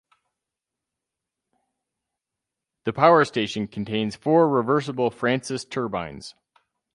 The power station contains four reversible Francis turbines.